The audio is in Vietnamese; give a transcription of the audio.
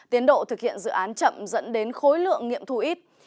tiến độ thực hiện dự án chậm dẫn đến khối lượng nghiệm thu ít